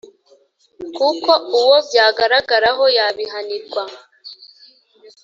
kuko uwo byagaragaraho yabihanirwa.